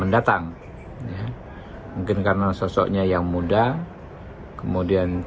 bentar dulu muslim gegen gagau sendiri yang regresi berfoto nanti